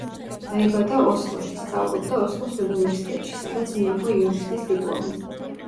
დაიბადა ოსლოში, სწავლობდა ოსლოს უნივერსიტეტში სადაც მიიღო იურისტის დიპლომი.